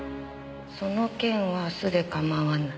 「その件は明日で構わない」